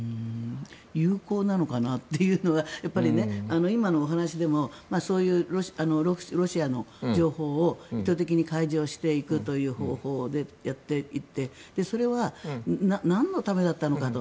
有効なのかなっていうのが今のお話でもそういうロシアの情報を意図的に開示をしていくという方法でやっていってそれはなんのためだったのかと。